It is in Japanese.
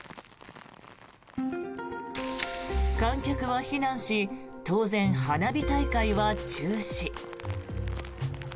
観客は避難し当然、花火大会は中止。